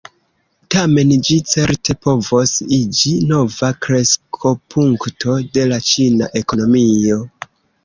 Tamen, ĝi certe povos iĝi nova kreskopunkto de la ĉina ekonomio.